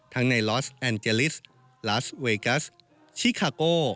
ในลอสแอนเจลิสลาสเวกัสชิคาโก